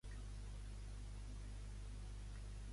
Segons Xenofont, com va ser el parlament que fer en rebre el títol?